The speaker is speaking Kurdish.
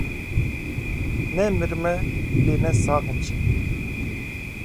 Nemirime, lê ne sax im jî.